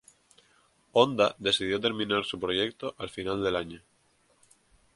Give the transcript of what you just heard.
Honda decidió terminar su proyecto al final del año.